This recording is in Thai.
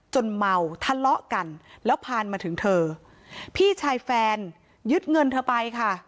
เมาทะเลาะกันแล้วผ่านมาถึงเธอพี่ชายแฟนยึดเงินเธอไปค่ะ